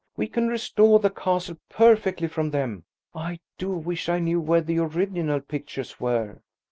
"We can restore the castle perfectly from them. I do wish I knew where the original pictures were."